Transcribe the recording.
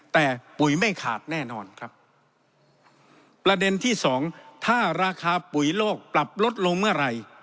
แต่ปุ๋ยไม่ขาดแน่นอนครับประเด็นที่สองถ้าราคาปุ๋ยโลกปรับลดลงเมื่อไหร่